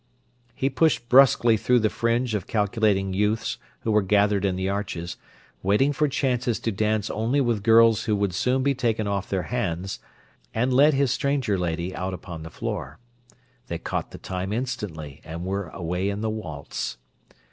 He pushed brusquely through the fringe of calculating youths who were gathered in the arches, watching for chances to dance only with girls who would soon be taken off their hands, and led his stranger lady out upon the floor. They caught the time instantly, and were away in the waltz.